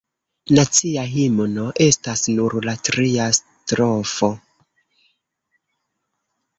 Nacia himno estas nur la tria strofo.